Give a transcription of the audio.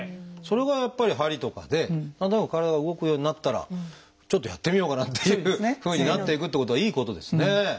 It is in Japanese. それがやっぱり鍼とかで何となく体が動くようになったらちょっとやってみようかなっていうふうになっていくってことはいいことですね。